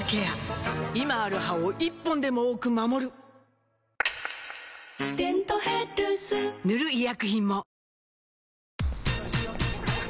今ある歯を１本でも多く守る「デントヘルス」塗る医薬品も